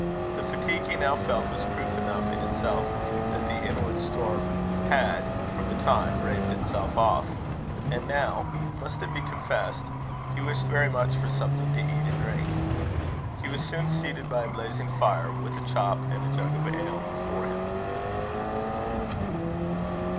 The fatigue he now felt was proof enough in itself, that the inward storm had, for the time, raved itself off; and now must it be confessed? he wished very much for something to eat and drink. He was soon seated by a blazing fire, with a chop and a jug of ale before him.